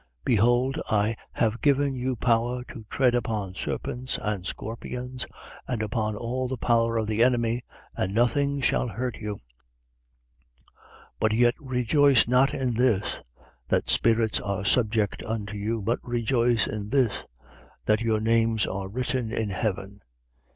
Behold, I have given you power to tread upon serpents and scorpions and upon all the power of the enemy: and nothing shall hurt you. 10:20. But yet rejoice not in this, that spirits are subject unto you: but rejoice in this, that your names are written in heaven. 10:21.